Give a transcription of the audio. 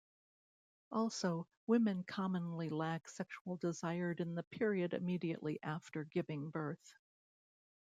Also, women commonly lack sexual desire in the period immediately after giving birth.